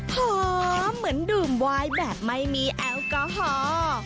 หอมเหมือนดื่มวายแบบไม่มีแอลกอฮอล์